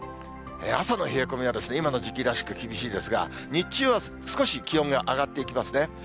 朝の冷え込みは今の時期らしく厳しいですが、日中は少し気温が上がっていきますね。